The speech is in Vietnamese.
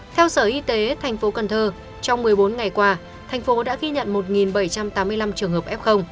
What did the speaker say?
theo sở y tế thành phố cần thơ trong một mươi bốn ngày qua thành phố đã ghi nhận một bảy trăm tám mươi năm trường hợp f